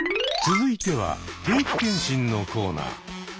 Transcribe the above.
続いては定期検診のコーナー。